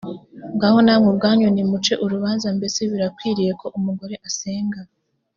ngaho namwe ubwanyu nimuce urubanza mbese birakwiriye ko umugore asenga